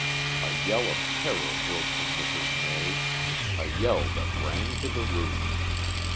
A yell of terror broke from Mrs. May, a yell that rang to the roof.